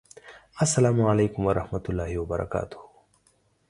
السلام علیکم ورحمة الله وبرکاته